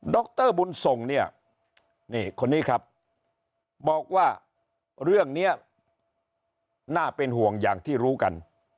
รบุญส่งเนี่ยนี่คนนี้ครับบอกว่าเรื่องนี้น่าเป็นห่วงอย่างที่รู้กัน